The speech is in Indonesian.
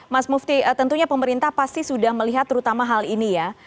mas mufti tentunya pemerintah pasti sudah melihat terutama hal ini ya